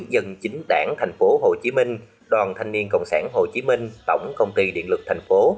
dân chính đảng tp hcm đoàn thanh niên cộng sản hồ chí minh tổng công ty điện lực thành phố